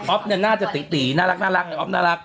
โอ๊พเนี่ยน่าจะน่ารักโอ๊พน่ารัก